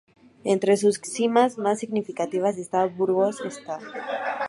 Entre sus cimas más significativas están, en Burgos, Sta.